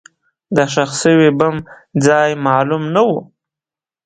د ښخ شوي بم ځای معلوم نه و.